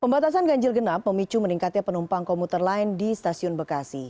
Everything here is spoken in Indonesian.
pembatasan ganjil genap memicu meningkatnya penumpang komuter lain di stasiun bekasi